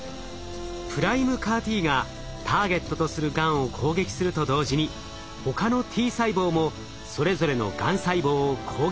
ＰＲＩＭＥＣＡＲ−Ｔがターゲットとするがんを攻撃すると同時に他のＴ細胞もそれぞれのがん細胞を攻撃。